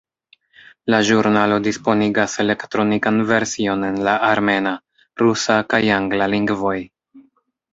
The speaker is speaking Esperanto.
La ĵurnalo disponigas elektronikan version en la armena, rusa kaj angla lingvoj.